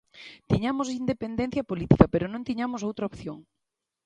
Tiñamos independencia política, pero non tiñamos outra opción.